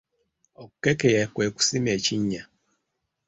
Okukekeya kwe kusima ekinnya.